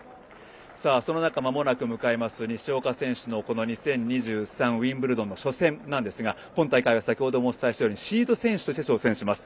その中まもなく迎えます西岡選手の２０２３ウィンブルドンの初戦なんですが今大会は先ほどもお伝えしたようにシード選手として挑戦します。